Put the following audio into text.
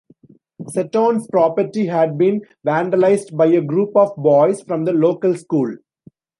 Seton's property had been vandalized by a group of boys from the local school.